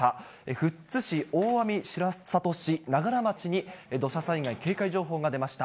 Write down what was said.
富津市、大網白里市、長柄町に土砂災害警戒情報が出ました。